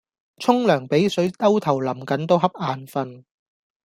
沖涼比水兜頭淋緊都恰眼瞓